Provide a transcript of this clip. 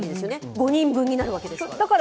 ５人分になるわけですから。